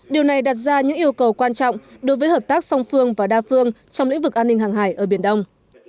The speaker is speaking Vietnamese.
điều này đặt ra những yêu cầu quan trọng đối với hợp tác song phương và đa phương trong lĩnh vực an ninh hàng hải ở biển đông